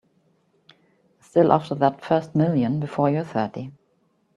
Still after that first million before you're thirty.